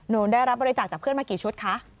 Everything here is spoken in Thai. ได้รับบริจาคจากเพื่อนมากี่ชุดคะ